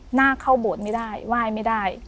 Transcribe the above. หน้าเข้าโบสถ์ไม่ได้ไหว้ไม่ได้